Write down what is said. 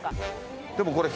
でもこれ。